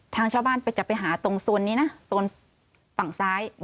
ทางชาวบ้านจะไปหาตรงโซนนี้นะโซนฝั่งซ้าย